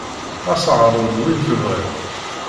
Ɣas ɛreḍ-d win tebɣiḍ.